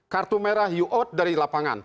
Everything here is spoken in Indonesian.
kartu merah you out dari lapangan